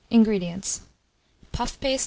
INGREDIENTS. Puff paste No.